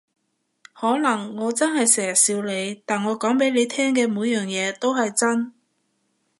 可能我真係成日笑你，但我講畀你聽嘅每樣嘢都係真